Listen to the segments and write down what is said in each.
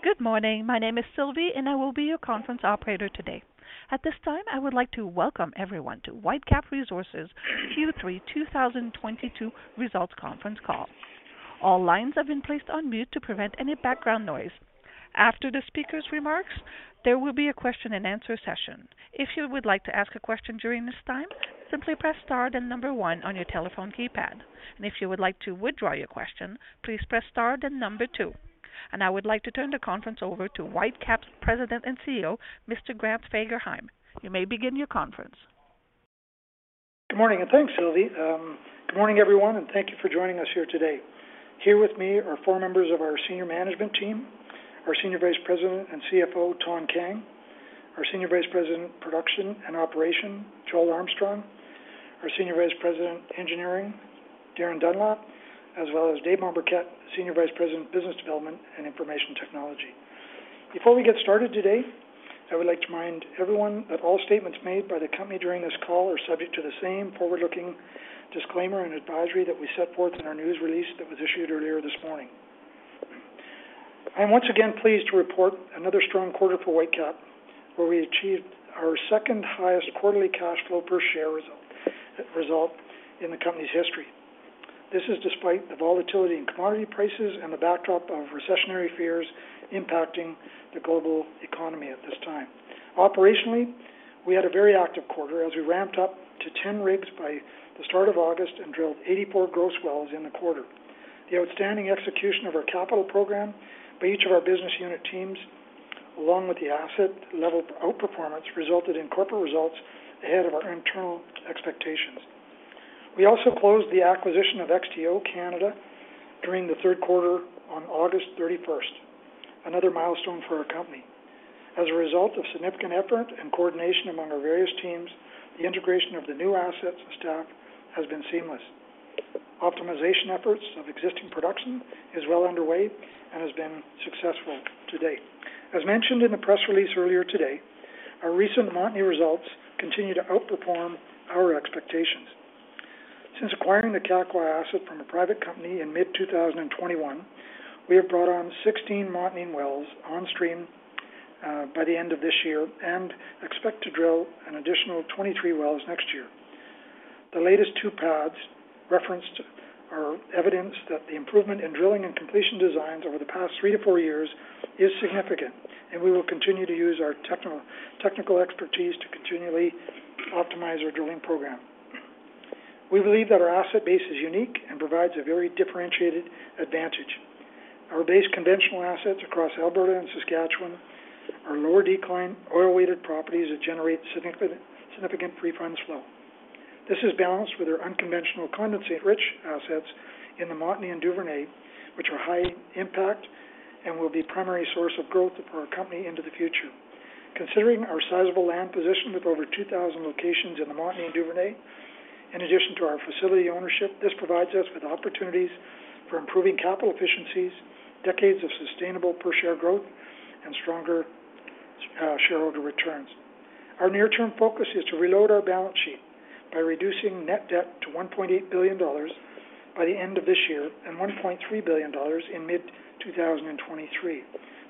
Good morning. My name is Sylvie, and I will be your conference operator today. At this time, I would like to welcome everyone to Whitecap Resources Q3 2022 Results Conference Call. All lines have been placed on mute to prevent any background noise. After the speaker's remarks, there will be a question-and-answer session. If you would like to ask a question during this time, simply press star then number one on your telephone keypad. If you would like to withdraw your question, please press star then number two. I would like to turn the conference over to Whitecap's President and CEO, Mr. Grant Fagerheim. You may begin your conference. Good morning, and thanks, Sylvie. Good morning, everyone, and thank you for joining us here today. Here with me are four members of our senior management team, our Senior Vice President & CFO, Thanh Kang, our Senior Vice President, Production & Operations, Joel Armstrong, our Senior Vice President, Engineering, Darin Dunlop, as well as David Mombourquette, Senior Vice President, Business Development & Information Technology. Before we get started today, I would like to remind everyone that all statements made by the company during this call are subject to the same forward-looking disclaimer and advisory that we set forth in our news release that was issued earlier this morning. I'm once again pleased to report another strong quarter for Whitecap, where we achieved our second-highest quarterly cash flow per share result in the company's history. This is despite the volatility in commodity prices and the backdrop of recessionary fears impacting the global economy at this time. Operationally, we had a very active quarter as we ramped up to 10 rigs by the start of August and drilled 84 gross wells in the quarter. The outstanding execution of our capital program by each of our business unit teams, along with the asset level outperformance, resulted in corporate results ahead of our internal expectations. We also closed the acquisition of XTO Energy Canada during the third quarter on August 31st, another milestone for our company. As a result of significant effort and coordination among our various teams, the integration of the new assets and staff has been seamless. Optimization efforts of existing production is well underway and has been successful to date. As mentioned in the press release earlier today, our recent Montney results continue to outperform our expectations. Since acquiring the Kakwa asset from a private company in mid-2021, we have brought on 16 Montney wells on stream by the end of this year and expect to drill an additional 23 wells next year. The latest two pads referenced are evidence that the improvement in drilling and completion designs over the past 3-4 years is significant, and we will continue to use our technical expertise to continually optimize our drilling program. We believe that our asset base is unique and provides a very differentiated advantage. Our base conventional assets across Alberta and Saskatchewan are lower decline, oil-weighted properties that generate significant free funds flow. This is balanced with our unconventional condensate-rich assets in the Montney and Duvernay, which are high impact and will be primary source of growth for our company into the future. Considering our sizable land position with over 2,000 locations in the Montney and Duvernay, in addition to our facility ownership, this provides us with opportunities for improving capital efficiencies, decades of sustainable per share growth, and stronger shareholder returns. Our near-term focus is to reload our balance sheet by reducing net debt to 1.8 billion dollars by the end of this year and 1.3 billion dollars in mid-2023.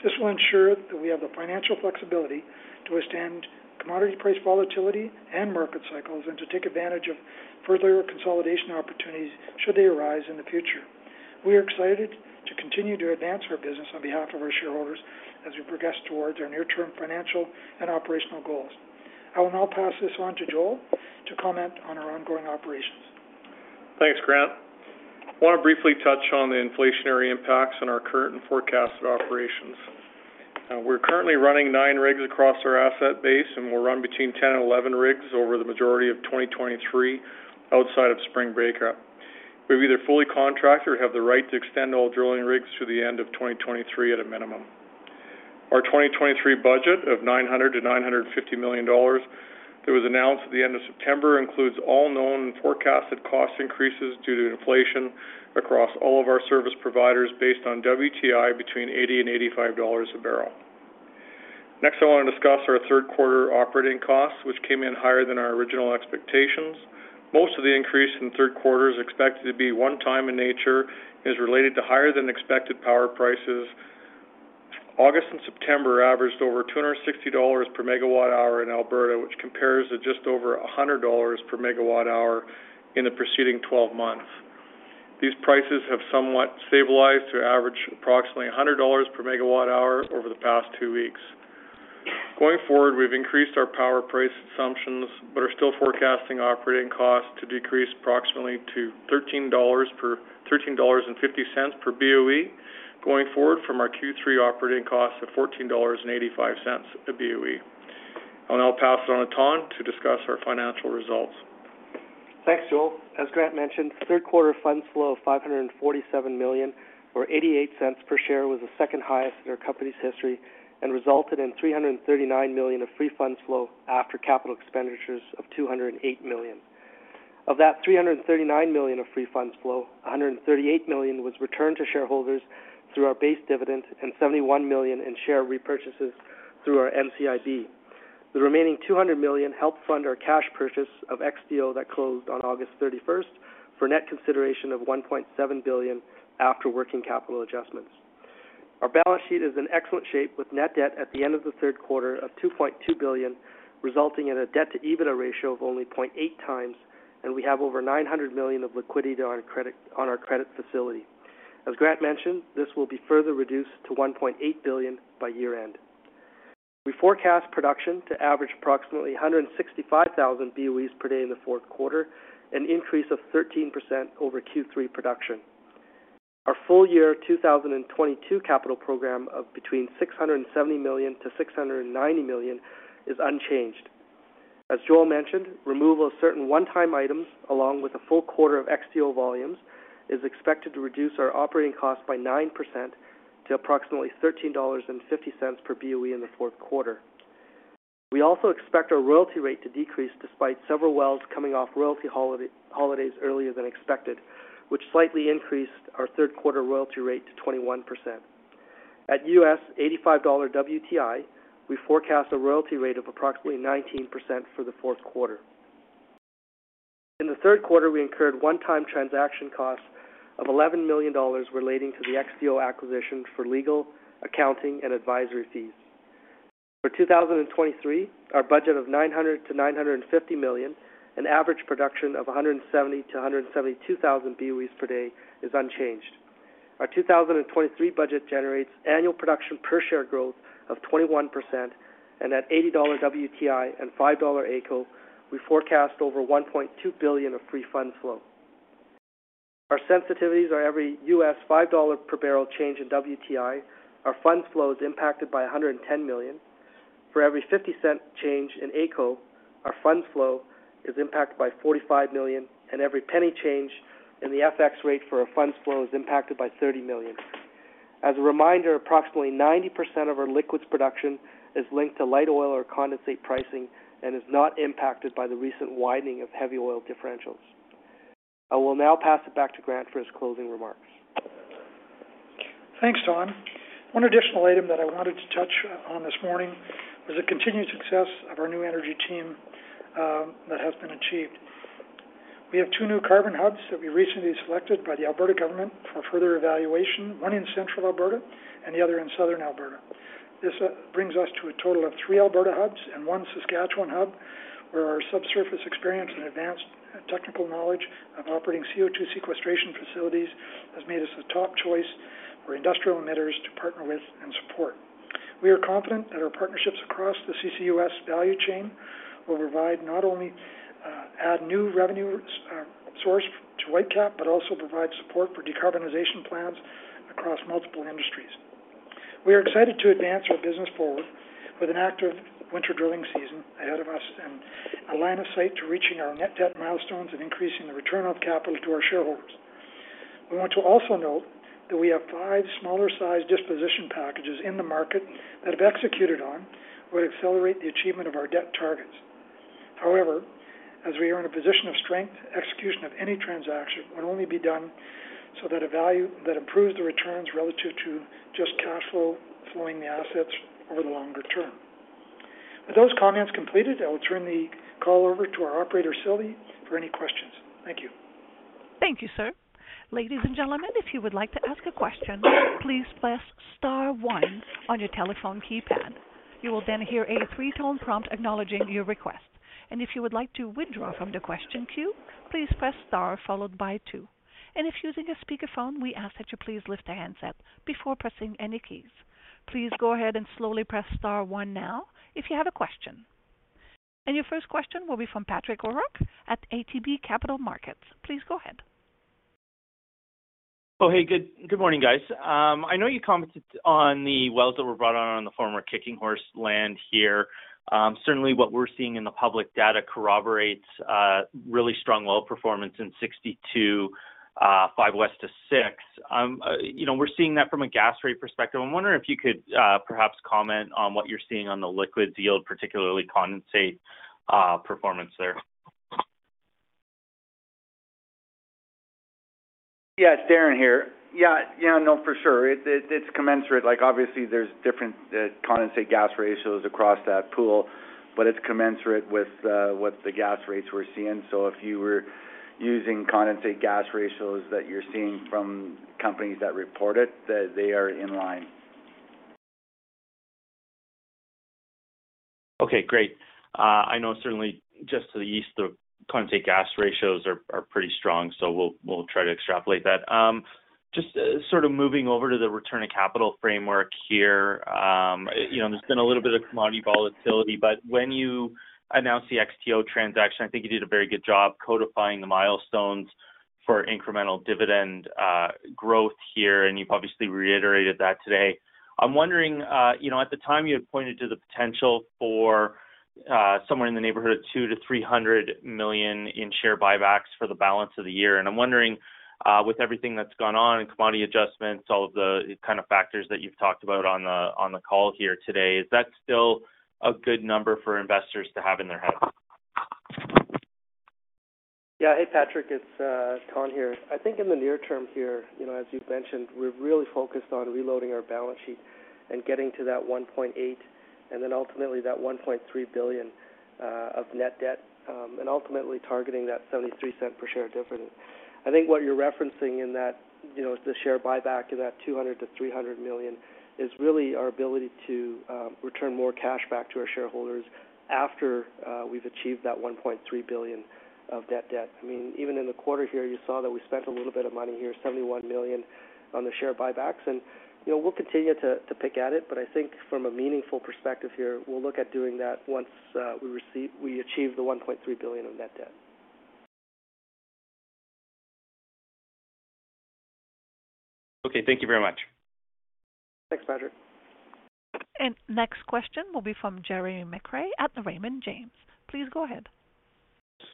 This will ensure that we have the financial flexibility to withstand commodity price volatility and market cycles and to take advantage of further consolidation opportunities should they arise in the future. We are excited to continue to advance our business on behalf of our shareholders as we progress towards our near-term financial and operational goals. I will now pass this on to Joel to comment on our ongoing operations. Thanks, Grant. I wanna briefly touch on the inflationary impacts on our current and forecasted operations. We're currently running nine rigs across our asset base, and we'll run between 10 and 11 rigs over the majority of 2023 outside of spring breakup. We've either fully contracted or have the right to extend all drilling rigs through the end of 2023 at a minimum. Our 2023 budget of 900 million-950 million dollars that was announced at the end of September includes all known and forecasted cost increases due to inflation across all of our service providers based on WTI between $80-$85 a barrel. Next, I wanna discuss our third quarter operating costs, which came in higher than our original expectations. Most of the increase in the third quarter is expected to be one-time in nature, is related to higher than expected power prices. August and September averaged over 260 dollars per megawatt hour in Alberta, which compares to just over 100 dollars per megawatt hour in the preceding twelve months. These prices have somewhat stabilized to average approximately 100 dollars per megawatt hour over the past two weeks. Going forward, we've increased our power price assumptions, but are still forecasting operating costs to decrease approximately to 13.50 dollars per BOE going forward from our Q3 operating costs of 14.85 dollars per BOE. I'll now pass it on to Thanh Kang to discuss our financial results. Thanks, Joel. As Grant mentioned, third quarter funds flow of 547 million or 0.88 per share was the second highest in our company's history and resulted in 339 million of free funds flow after capital expenditures of 208 million. Of that 339 million of free funds flow, 138 million was returned to shareholders through our base dividend and 71 million in share repurchases through our NCIB. The remaining 200 million helped fund our cash purchase of XTO that closed on August thirty-first for net consideration of 1.7 billion after working capital adjustments. Our balance sheet is in excellent shape with net debt at the end of the third quarter of 2.2 billion, resulting in a debt-to-EBITDA ratio of only 0.8x, and we have over 900 million of liquidity on our credit facility. As Grant mentioned, this will be further reduced to 1.8 billion by year-end. We forecast production to average approximately 165,000 BOEs per day in the fourth quarter, an increase of 13% over Q3 production. Our full year 2022 capital program of between 670 million-690 million is unchanged. As Joel mentioned, removal of certain one-time items along with a full quarter of XTO volumes is expected to reduce our operating cost by 9% to approximately 13.50 dollars per BOE in the fourth quarter. We also expect our royalty rate to decrease despite several wells coming off royalty holidays earlier than expected, which slightly increased our third quarter royalty rate to 21%. At $85 WTI, we forecast a royalty rate of approximately 19% for the fourth quarter. In the third quarter, we incurred one-time transaction costs of 11 million dollars relating to the XTO acquisition for legal, accounting, and advisory fees. For 2023, our budget of 900 million-950 million, an average production of 170,000-172,000 BOEs per day is unchanged. Our 2023 budget generates annual production per share growth of 21% and at $80 WTI and 5 dollar AECO, we forecast over 1.2 billion of free funds flow. Our sensitivities are every $5 per barrel change in WTI, our fund flow is impacted by 110 million. For every 50-cent change in AECO, our fund flow is impacted by 45 million, and every 0.01 change in the FX rate our funds flow is impacted by 30 million. As a reminder, approximately 90% of our liquids production is linked to light oil or condensate pricing and is not impacted by the recent widening of heavy oil differentials. I will now pass it back to Grant for his closing remarks. Thanks, Thanh. One additional item that I wanted to touch on this morning was the continued success of our new energy team that has been achieved. We have two new carbon hubs that we recently selected by the Alberta government for further evaluation, one in central Alberta and the other in southern Alberta. This brings us to a total of three Alberta hubs and one Saskatchewan hub, where our subsurface experience and advanced technical knowledge of operating CO2 sequestration facilities has made us a top choice for industrial emitters to partner with and support. We are confident that our partnerships across the CCUS value chain will provide not only add new revenue source to Whitecap, but also provide support for decarbonization plans across multiple industries. We are excited to advance our business forward with an active winter drilling season ahead of us and a line of sight to reaching our net debt milestones and increasing the return of capital to our shareholders. We want to also note that we have five smaller-sized disposition packages in the market that, if executed on, would accelerate the achievement of our debt targets. However, as we are in a position of strength, execution of any transaction would only be done so at a value that improves the returns relative to just cash flow, flowing the assets over the longer term. With those comments completed, I will turn the call over to our operator, Sylvie, for any questions. Thank you. Thank you, sir. Ladies and gentlemen, if you would like to ask a question, please press star one on your telephone keypad. You will then hear a three-tone prompt acknowledging your request. If you would like to withdraw from the question queue, please press star followed by two. If using a speakerphone, we ask that you please lift the handset before pressing any keys. Please go ahead and slowly press star one now if you have a question. Your first question will be from Patrick O'Rourke at ATB Capital Markets. Please go ahead. Oh, hey, good morning, guys. I know you commented on the wells that were brought on the former Kicking Horse land here. Certainly what we're seeing in the public data corroborates really strong well performance in 62, 5 West to 6. You know, we're seeing that from a gas rate perspective. I'm wondering if you could perhaps comment on what you're seeing on the liquids yield, particularly condensate, performance there. Yeah. It's Darin here. Yeah, yeah, no, for sure. It's commensurate. Like, obviously there's different condensate gas ratios across that pool, but it's commensurate with what the gas rates we're seeing. If you were using condensate gas ratios that you're seeing from companies that report it, they are in line. Okay, great. I know certainly just to the east, the condensate gas ratios are pretty strong, so we'll try to extrapolate that. Just sort of moving over to the return of capital framework here. You know, there's been a little bit of commodity volatility, but when you announced the XTO transaction, I think you did a very good job codifying the milestones for incremental dividend growth here, and you've obviously reiterated that today. I'm wondering, you know, at the time, you had pointed to the potential for somewhere in the neighborhood of 200 million-300 million in share buybacks for the balance of the year. I'm wondering, with everything that's gone on in commodity adjustments, all of the kind of factors that you've talked about on the call here today, is that still a good number for investors to have in their heads? Yeah. Hey, Patrick, it's Thanh Kang here. I think in the near term here, you know, as you've mentioned, we're really focused on reloading our balance sheet and getting to that 1.8 billion, and then ultimately that 1.3 billion of net debt, and ultimately targeting that 0.73 per share dividend. I think what you're referencing in that, you know, is the share buyback to that 200-300 million is really our ability to return more cash back to our shareholders after we've achieved that 1.3 billion of net debt. I mean, even in the quarter here, you saw that we spent a little bit of money here, 71 million on the share buybacks. You know, we'll continue to pick at it, but I think from a meaningful perspective here, we'll look at doing that once we achieve 1.3 billion of net debt. Okay, thank you very much. Thanks, Patrick. Next question will be from Jeremy McCrea at Raymond James. Please go ahead.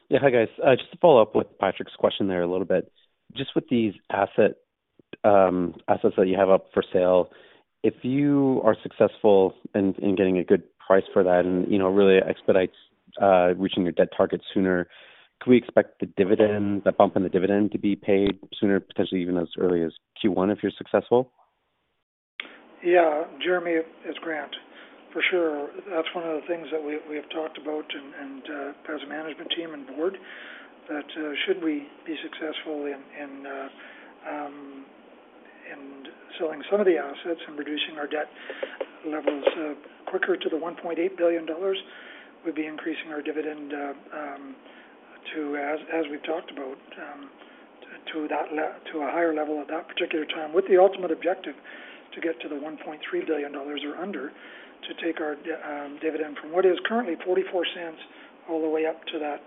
Yeah. Hi, guys. Just to follow up with Patrick's question there a little bit. Just with these assets that you have up for sale, if you are successful in getting a good price for that and, you know, really expedites reaching your debt target sooner, can we expect the dividend, the bump in the dividend to be paid sooner, potentially even as early as Q1 if you're successful? Yeah, Jeremy, it's Grant. For sure. That's one of the things that we have talked about and as a management team and board, that should we be successful in selling some of the assets and reducing our debt levels quicker to the 1.8 billion dollars, we'd be increasing our dividend to as we've talked about to a higher level at that particular time, with the ultimate objective to get to the 1.3 billion dollars or under to take our dividend from what is currently 0.44 all the way up to that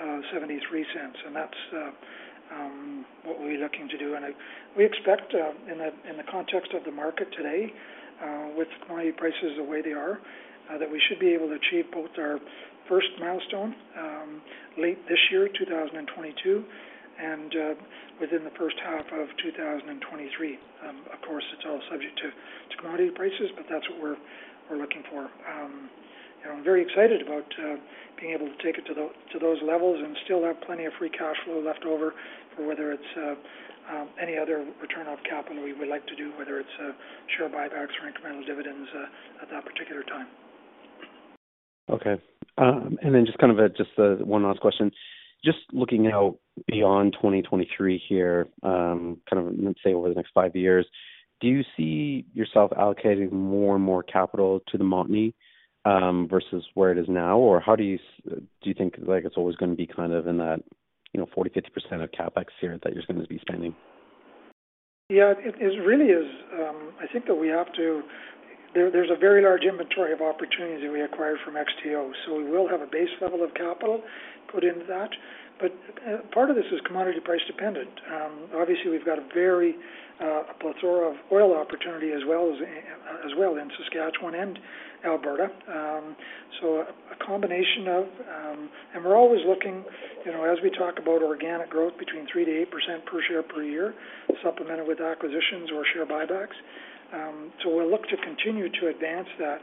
0.73. That's what we're looking to do. We expect in the context of the market today, with commodity prices the way they are, that we should be able to achieve both our first milestone late this year, 2022, and within the first half of 2023. Of course, it's all subject to commodity prices, but that's what we're looking for. I'm very excited about being able to take it to those levels and still have plenty of free cash flow left over for whether it's any other return of capital we would like to do, whether it's share buybacks or incremental dividends at that particular time. Okay. Just kind of, just, one last question. Just looking out beyond 2023 here, kind of let's say over the next five years, do you see yourself allocating more and more capital to the Montney, versus where it is now? Or how do you think, like, it's always gonna be kind of in that, you know, 40%-50% of CapEx here that you're gonna be spending? Yeah, it really is. I think that there's a very large inventory of opportunities that we acquired from XTO, so we will have a base level of capital put into that. Part of this is commodity price dependent. Obviously, we've got a very plethora of oil opportunity as well as in Saskatchewan and Alberta. We're always looking, you know, as we talk about organic growth between 3%-8% per share per year, supplemented with acquisitions or share buybacks. We'll look to continue to advance that,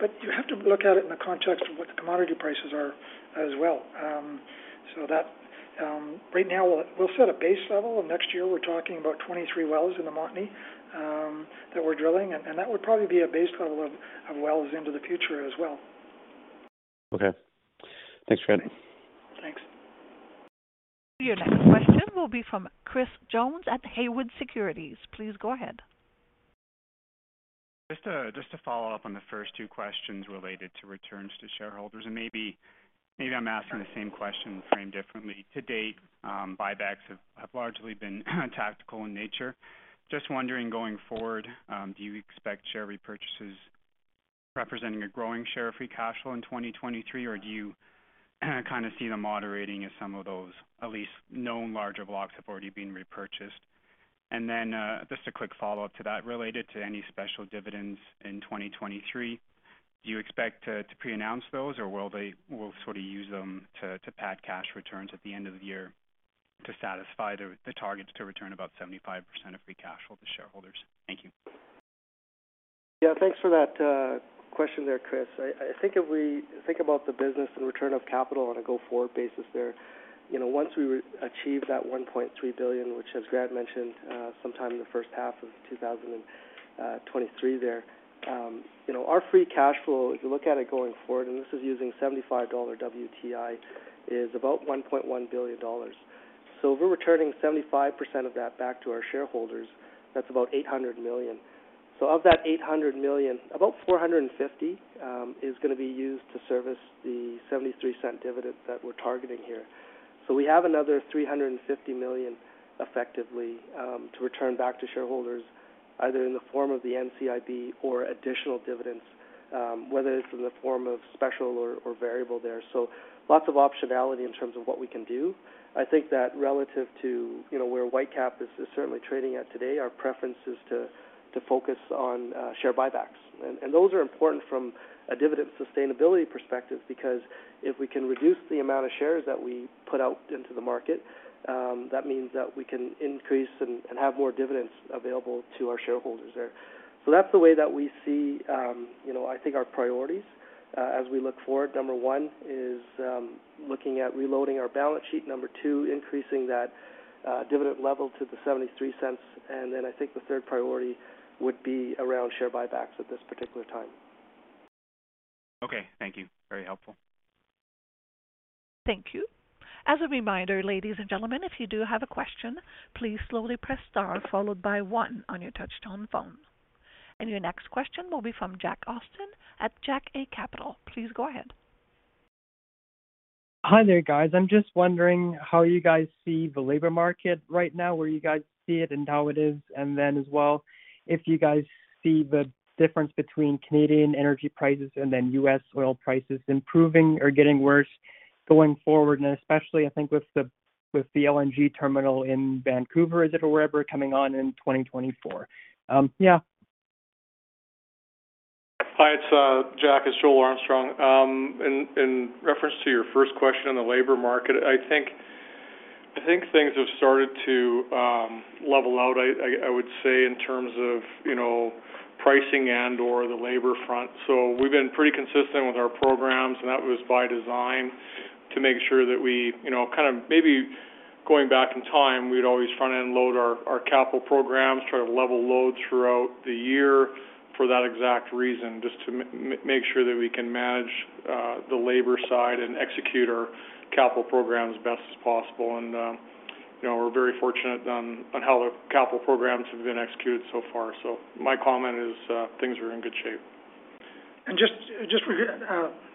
but you have to look at it in the context of what the commodity prices are as well. That right now we'll set a base level. Next year, we're talking about 23 wells in the Montney that we're drilling, and that would probably be a base level of wells into the future as well. Okay. Thanks, Grant. Thanks. Your next question will be from Chris Jones at Haywood Securities. Please go ahead. Just to follow up on the first two questions related to returns to shareholders, and maybe I'm asking the same question framed differently. To date, buybacks have largely been tactical in nature. Just wondering, going forward, do you expect share repurchases representing a growing share of free cash flow in 2023? Or do you kind of see the moderating of some of those, at least known larger blocks have already been repurchased? And then, just a quick follow-up to that related to any special dividends in 2023. Do you expect to pre-announce those, or will they sort of use them to pad cash returns at the end of the year to satisfy the targets to return about 75% of free cash flow to shareholders? Thank you. Yeah, thanks for that, question there, Chris. I think if we think about the business and return of capital on a go-forward basis there, you know, once we achieve that 1.3 billion, which as Grant mentioned, sometime in the first half of 2023, you know, our free cash flow, if you look at it going forward, and this is using $75 WTI, is about 1.1 billion dollars. If we're returning 75% of that back to our shareholders, that's about 800 million. Of that 800 million, about 450 million is gonna be used to service the 0.73 dividend that we're targeting here. We have another 350 million effectively to return back to shareholders, either in the form of the NCIB or additional dividends, whether it's in the form of special or variable there. Lots of optionality in terms of what we can do. I think that relative to, you know, where Whitecap is certainly trading at today, our preference is to focus on share buybacks. Those are important from a dividend sustainability perspective because if we can reduce the amount of shares that we put out into the market, that means that we can increase and have more dividends available to our shareholders there. That's the way that we see, you know, I think our priorities as we look forward. Number 1 is looking at reloading our balance sheet. Number 2, increasing that dividend level to 0.73. I think the third priority would be around share buybacks at this particular time. Okay. Thank you. Very helpful. Thank you. As a reminder, ladies and gentlemen, if you do have a question, please slowly press star followed by one on your touch-tone phone. Your next question will be from Jack Austin at uncertain. Please go ahead. Hi there guys. I'm just wondering how you guys see the labor market right now, where you guys see it and how it is, and then as well, if you guys see the difference between Canadian energy prices and then US oil prices improving or getting worse going forward. Especially I think with the LNG terminal in Vancouver, is it or wherever coming on in 2024. Hi, Jack, it's Joel Armstrong. In reference to your first question on the labor market, I think things have started to level out. I would say in terms of, you know, pricing and/or the labor front. We've been pretty consistent with our programs, and that was by design to make sure that we, you know, kind of maybe going back in time, we'd always front-end load our capital programs, try to level load throughout the year for that exact reason, just to make sure that we can manage the labor side and execute our capital program as best as possible. You know, we're very fortunate on how the capital programs have been executed so far. My comment is, things are in good shape.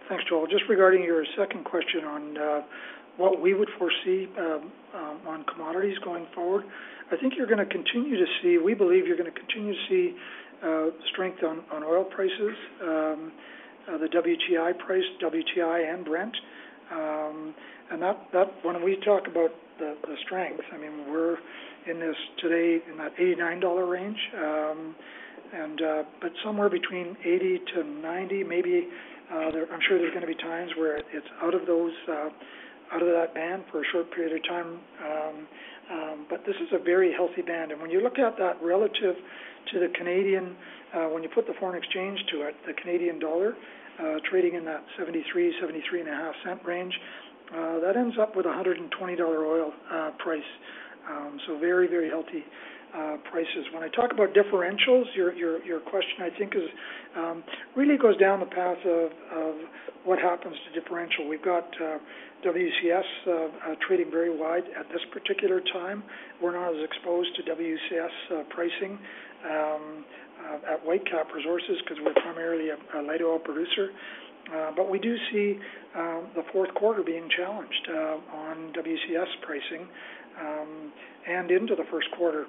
Thanks, Joel. Just regarding your second question on what we would foresee on commodities going forward. I think you're gonna continue to see strength on oil prices, the WTI price, WTI and Brent. When we talk about the strength, I mean, we're in this today in that $89 range. But somewhere between 80-90 maybe. I'm sure there's gonna be times where it's out of that band for a short period of time. But this is a very healthy band. When you look at that relative to the Canadian, when you put the foreign exchange to it, the Canadian dollar trading in that 73-73.5 cent range, that ends up with a 120 dollar oil price. So very, very healthy prices. When I talk about differentials, your question I think is really goes down the path of what happens to differential. We've got WCS trading very wide at this particular time. We're not as exposed to WCS pricing at Whitecap Resources because we're primarily a light oil producer. But we do see the fourth quarter being challenged on WCS pricing and into the first quarter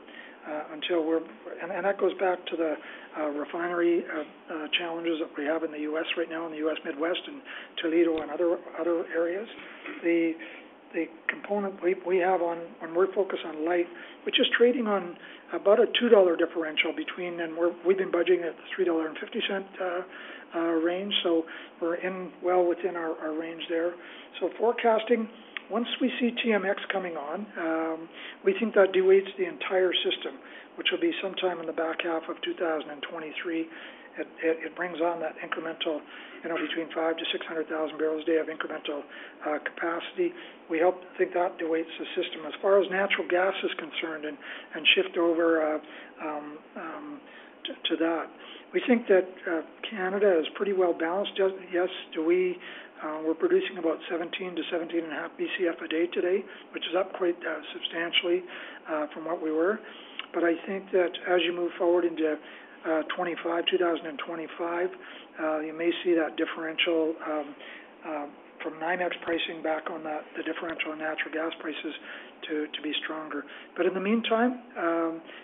until we're... that goes back to the refinery challenges that we have in the US right now, in the US Midwest and Toledo and other areas. The component we have on, and we're focused on light, which is trading on about a $2 differential between, and we've been budgeting at the $3.50 range, so we're well within our range there. Forecasting, once we see TMX coming on, we think that de-weights the entire system, which will be sometime in the back half of 2023. It brings on that incremental, you know, between 500,000-600,000 barrels a day of incremental capacity. We think that de-weights the system. As far as natural gas is concerned and shift over to that. We think that Canada is pretty well-balanced. We're producing about 17 - 17.5 BCF a day today, which is up quite substantially from what we were. I think that as you move forward into 2025, you may see that differential from AECO pricing back on that, the differential on natural gas prices to be stronger. In the meantime,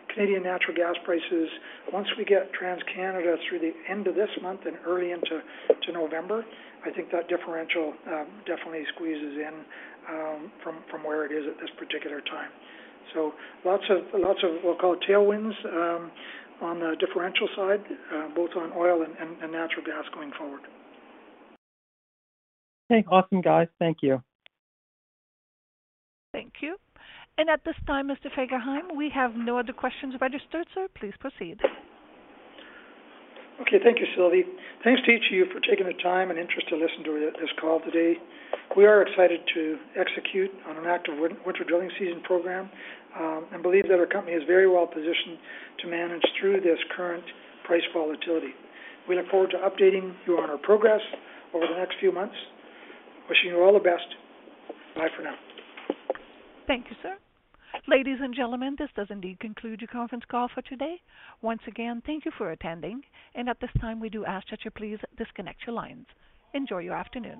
Canadian natural gas prices, once we get TC Energy through the end of this month and early into November, I think that differential definitely squeezes in from where it is at this particular time. Lots of we'll call it tailwinds on the differential side, both on oil and natural gas going forward. Okay. Awesome guys. Thank you. Thank you. At this time, Mr. Fagerheim, we have no other questions registered, so please proceed. Okay. Thank you, Sylvie. Thanks to each of you for taking the time and interest to listen to this call today. We are excited to execute on an active winter drilling season program, and believe that our company is very well positioned to manage through this current price volatility. We look forward to updating you on our progress over the next few months. Wishing you all the best. Bye for now. Thank you, sir. Ladies and gentlemen, this does indeed conclude your conference call for today. Once again, thank you for attending, and at this time, we do ask that you please disconnect your lines. Enjoy your afternoon.